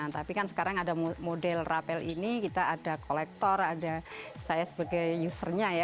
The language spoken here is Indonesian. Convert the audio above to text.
tapi kan sekarang ada model rapel ini kita ada kolektor ada saya sebagai usernya ya